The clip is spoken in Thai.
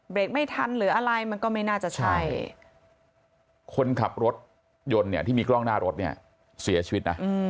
ไม่ทันหรืออะไรมันก็ไม่น่าจะใช่คนขับรถยนต์เนี่ยที่มีกล้องหน้ารถเนี่ยเสียชีวิตนะ